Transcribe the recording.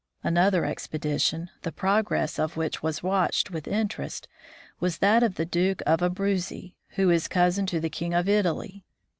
Another expedition, the progress of which was watched with interest, was that of the Duke of Abruzzi, who is cousin to the king of Italy.